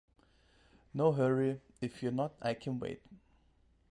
No hurry; if you are not, I can wait.